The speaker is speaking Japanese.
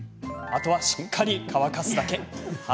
あとは、しっかり乾かすだけ。